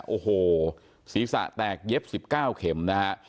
โอ้โหศีรษะแตกเย็บ๑๙เข็มนะฮะ